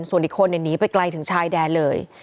ส่วนอีกคนหนีไปไกลถึงชายแดนเลย